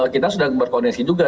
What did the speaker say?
kita sudah berkondisi juga